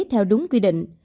theo đúng quy định